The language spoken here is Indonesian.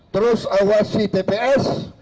terus awasi tps